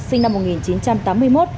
sinh năm một nghìn chín trăm tám mươi một